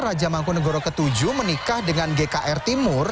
raja mangkunegara ke tujuh menikah dengan gkr timur